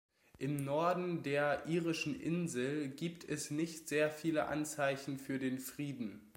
Im Norden der irischen Insel gibt es nicht sehr viele Anzeichen für den Frieden.